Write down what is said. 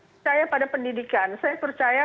percaya pada pendidikan saya percaya